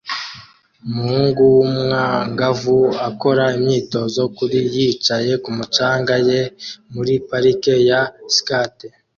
Umuhungu w'umwangavu akora imyitozo kuri yicaye kumu canga ye muri parike ya skate